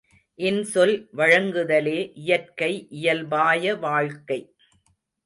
இன்சொல் வழங்குதலே இயற்கை இயல்பாய வாழ்க்கை.